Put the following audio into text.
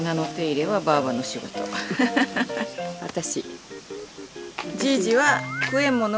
私。